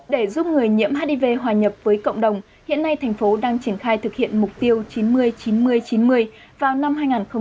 để giúp người nhiễm hiv hòa nhập với cộng đồng hiện nay thành phố đang triển khai thực hiện mục tiêu chín mươi chín mươi chín mươi vào năm hai nghìn ba mươi